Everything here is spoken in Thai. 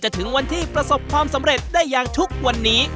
ถึงวันที่ประสบความสำเร็จได้อย่างทุกวันนี้